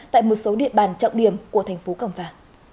tại một số địa bàn trọng điểm của thành phố cầm phà